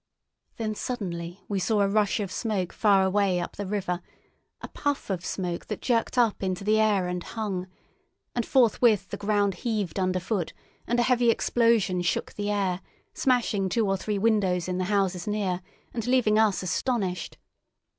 Then suddenly we saw a rush of smoke far away up the river, a puff of smoke that jerked up into the air and hung; and forthwith the ground heaved under foot and a heavy explosion shook the air, smashing two or three windows in the houses near, and leaving us astonished.